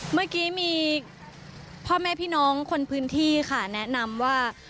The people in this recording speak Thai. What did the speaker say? เมื่อกี้มีพ่อแม่พี่น้องคนพื้นที่ค่ะแนะนำว่า